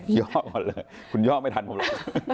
คุณย่อก่อนเลยคุณย่อกไม่ทันผมรู้